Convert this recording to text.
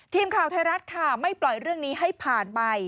ทีมข่าวไทยรัฐค่ะไม่ปล่อยเรื่องนี้ให้ผ่านไป